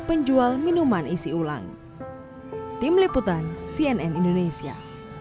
penjual minuman isi ulang tim liputan cnn indonesia